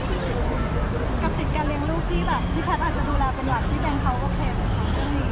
กับสิทธิ์การเลี้ยงลูกที่แบบพี่แพทย์อาจจะดูแลเป็นอย่างพี่เบนเขาก็เคย